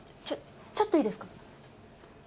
ちょちょっといいですか？